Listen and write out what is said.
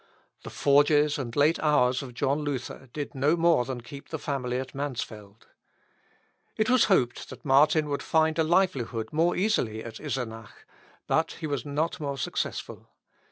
The forges and late hours of John Luther did no more than keep the family at Mansfield. It was hoped that Martin would find a livelihood more easily at Isenach, but he was not more successful.